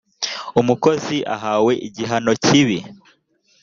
umukozi ahawe igihano cyibi